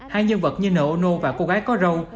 hai nhân vật như nô ô nô và cô gái có râu